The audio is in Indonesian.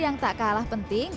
yang tak kalah penting